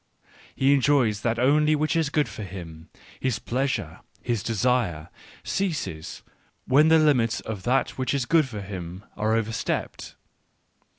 He enjoys that only which is good for him ; his pleasure, his desire, ceases when the limits of that which is good for him are overstepped.